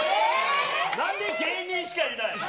なんで芸人しかいないの？